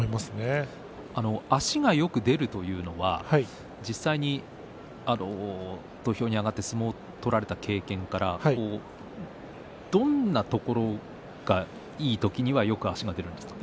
足がよく出るというのは実際に土俵に上がって相撲を取られた経験からどんなところが、いい時によく足が出るんですか。